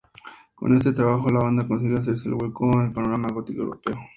Con este trabajo, la banda consigue hacerse un hueco en el panorama Gothic europeo.